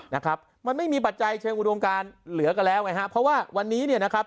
นะครับมันไม่มีปัจจัยเชิงอุดมการเหลือกันแล้วไงฮะเพราะว่าวันนี้เนี่ยนะครับ